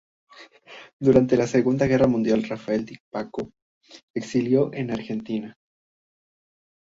Durante la Segunda Guerra Mundial Raffaele di Paco se exilió en Argentina.